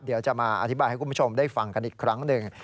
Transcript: เดี๋ยวจะมาอธิบายให้คุณผู้ชมได้ฟังกันอีกครั้งหนึ่ง